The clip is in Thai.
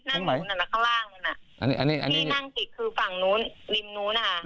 นี่นั่งติกคือฝั่งนู้นริมนู้นอะค่ะ